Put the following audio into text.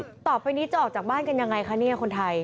ต่อไปนี้จะออกจากบ้านกันยังไงคะเนี่ยคนไทย